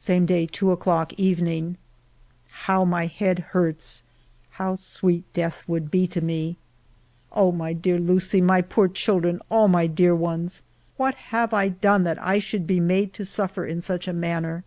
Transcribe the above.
Same day, 2 o'clock, evening. How my head hurts ; how sweet death would be to me ! Oh, my dear Lucie, my poor children, all my dear ones ! What have I done that I should be made to suffer in such a manner